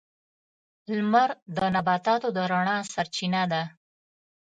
• لمر د نباتاتو د رڼا سرچینه ده.